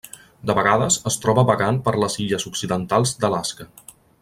De vegades es troba vagant per les illes occidentals d'Alaska.